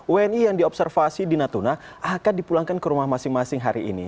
wni yang diobservasi di natuna akan dipulangkan ke rumah masing masing hari ini